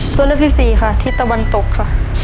ส่วนที่๔ค่ะที่ตะวันตกค่ะ